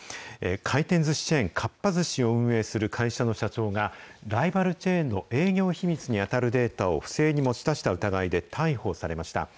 回転ずしチェーン、かっぱ寿司を運営する会社の社長が、ライバルチェーンの営業秘密に当たるデータを不正に持ち出した疑いで逮捕されました。